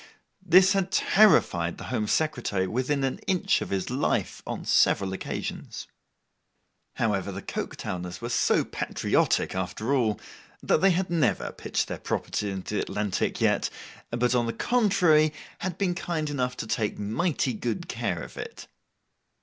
This had terrified the Home Secretary within an inch of his life, on several occasions. However, the Coketowners were so patriotic after all, that they never had pitched their property into the Atlantic yet, but, on the contrary, had been kind enough to take mighty good care of it.